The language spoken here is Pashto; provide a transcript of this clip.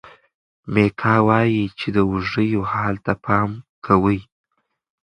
میکا وایي چې د وږیو حال ته پام کوي.